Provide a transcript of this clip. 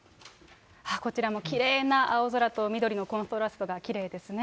こちらもきれいな青空と、緑のコントラストがきれいですね。